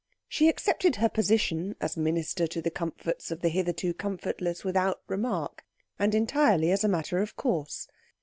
She accepted her position as minister to the comforts of the hitherto comfortless without remark and entirely as a matter of course.